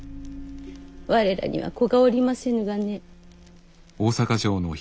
我らには子がおりませぬがね。